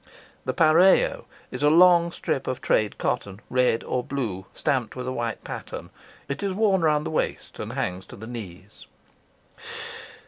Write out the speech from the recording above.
The is a long strip of trade cotton, red or blue, stamped with a white pattern. It is worn round the waist and hangs to the knees.